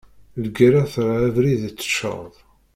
Lgerra terra abrid itecceḍ.